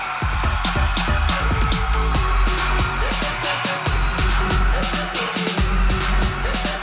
ต่อด้วยเจษดับ